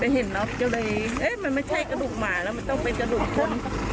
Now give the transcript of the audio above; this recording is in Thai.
เห็นเนอะก็เลยเอ๊ะมันไม่ใช่กระดูกหมาแล้วมันต้องเป็นกระดูกคน